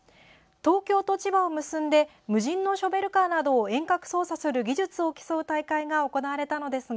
東京と千葉県を結んで無人のショベルカーなどを遠隔操作する技術を競う大会が